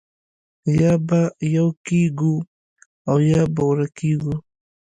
یا به یو کېږو او یا به ورکېږو